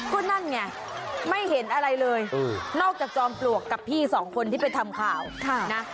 ก็นั่นไงไม่เห็นอะไรเลยนอกจากจอมปลวกกับพี่สองคนที่ไปทำข่าวนะ